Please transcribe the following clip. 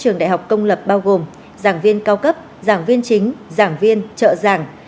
trường đại học công lập bao gồm giảng viên cao cấp giảng viên chính giảng viên trợ giảng